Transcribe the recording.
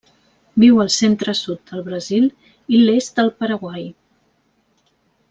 Viu al centre-sud del Brasil i l'est del Paraguai.